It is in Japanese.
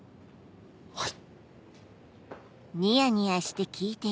はい。